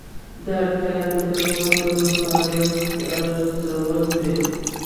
دا اړتیا د دغو ډلو فعالیت ارزول دي.